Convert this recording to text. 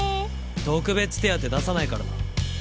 特別手当出さないからな。